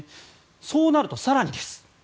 そうなると、更にです。